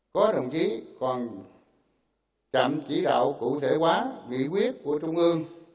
có đồng chí còn chậm chỉ đạo cụ thể hóa nghị quyết của trung ương